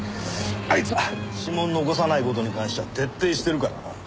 あいつら指紋を残さない事に関しちゃ徹底してるからな。